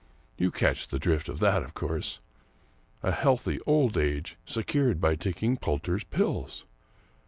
You catch the drift of that, of course — a healthy old age secured by taking Poulter's Pills.